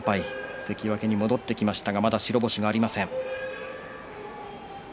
関脇に戻ってきましたがまだ白星がありません。